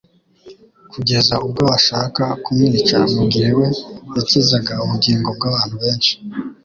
kugeza ubwo bashaka kumwica mu gihe we yakizaga ubugingo bw'abantu benshi